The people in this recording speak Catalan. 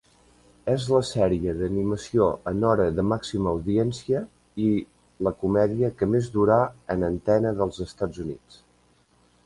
És la sèrie d'animació en hora de màxima audiència i la comèdia que més durà en antena dels Estats Units.